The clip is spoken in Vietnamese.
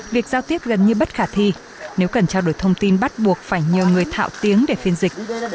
việc giao tiếp gần như bất khả thi nếu cần trao đổi thông tin bắt buộc phải nhờ người thạo tiếng để phiên dịch